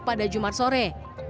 pada jumat sore